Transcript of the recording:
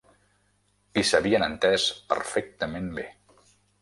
I s'havien entès perfectament bé.